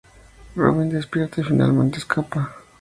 Robin despierta y finalmente escapa.